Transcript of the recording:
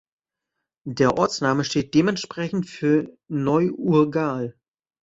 Der Ortsname steht dementsprechend für "Neu-Urgal".